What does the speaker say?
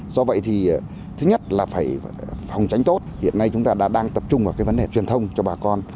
do vậy thì thứ nhất là phải phòng tránh tốt hiện nay chúng ta đã đang tập trung vào cái vấn đề truyền thông cho bà con